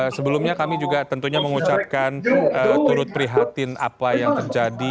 sebelumnya kami juga tentunya mengucapkan turut prihatin apa yang terjadi